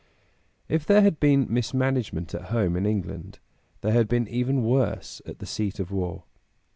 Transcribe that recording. If there had been mismanagement at home in England, there had been even worse at the seat of war.